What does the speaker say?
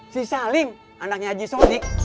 si salim anaknya haji sodik